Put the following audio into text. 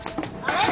あれ？